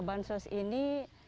bantuan sosial ini